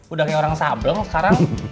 udah kayak orang sabeng sekarang